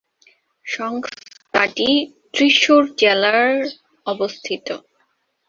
সংস্থাটি ত্রিশূর জেলার অবস্থিত।